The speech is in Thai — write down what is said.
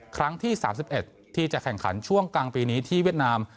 ครั้งที่๓๑ที่จะแข่งขันช่วงกลางปีนี้ที่เวียดนาม